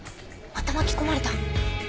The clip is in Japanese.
また巻き込まれた。